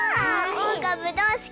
おうかぶどうすき！